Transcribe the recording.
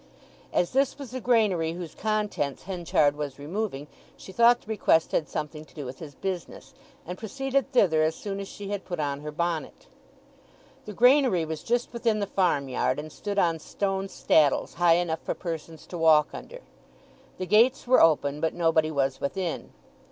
As this was the granary whose contents Henchard was removing, she thought the request had something to do with his business, and proceeded thither as soon as she had put on her bonnet. The granary was just within the farm yard, and stood on stone staddles, high enough for persons to walk under. The gates were open, but nobody was within.